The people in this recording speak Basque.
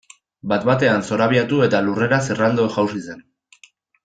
Bat batean zorabiatu eta lurrera zerraldo jausi zen.